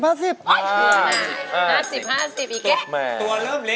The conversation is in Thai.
ตัวเริ่มเล็กอีกแล้ว